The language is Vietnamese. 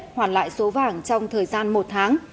công ty huỳnh thắng đã giữ lại số vàng trong thời gian một tháng